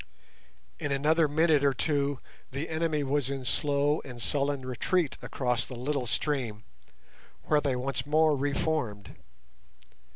In another minute or two the enemy was in slow and sullen retreat across the little stream, where they once more re formed.